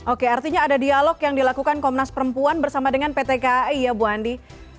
oke artinya ada dialog yang dilakukan komnas perempuan bersama dengan pt kai ya bu andi